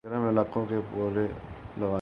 گرم علاقوں کے پودے لگانے